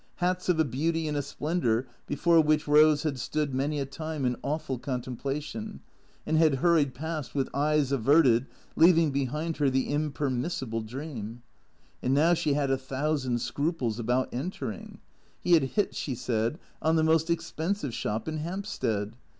Hats of a beauty and a splendour before which Rose had stood many a time in awful contemplation, and had hurried past with eyes averted, leaving behind her the impermissible dream. And now she had a thousand scruples about entering. He had hit, she said, on the most expensive shop in Hampstead.